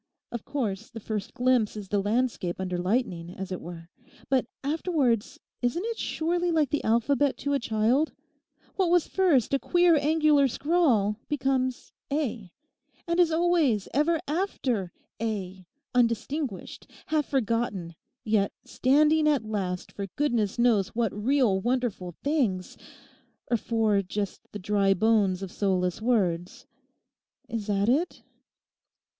Of course, the first glimpse is the landscape under lightning as it were. But afterwards isn't it surely like the alphabet to a child; what was first a queer angular scrawl becomes A, and is always ever after A, undistinguished, half forgotten, yet standing at last for goodness knows what real wonderful things—or for just the dry bones of soulless words? Is that it?